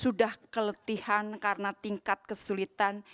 sudah keletihan karena tingkat kesulitan